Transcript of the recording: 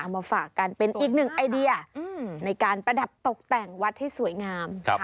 มาฝากกันเป็นอีกหนึ่งไอเดียในการประดับตกแต่งวัดให้สวยงาม